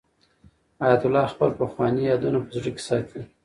حیات الله خپل پخواني یادونه په زړه کې ساتي.